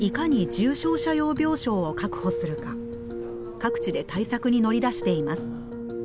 各地で対策に乗り出しています。